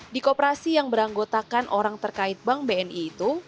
di kooperasi yang beranggotakan orang terkait bank bni itu